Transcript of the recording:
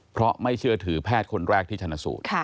เพราะไม่เชื่อถือแพทย์คนแรกที่ชนะสูตร